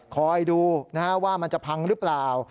คอยดูว่ามันจะพังหรือเปล่า